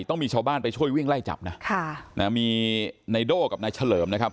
ต้องมีชาวบ้านไปช่วยวิ่งไล่จับนะค่ะนะมีนายโด่กับนายเฉลิมนะครับ